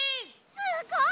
すごい！